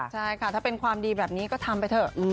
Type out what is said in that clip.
ใช่ค่ะถ้าเป็นความดีแบบนี้ก็ทำไปเถอะ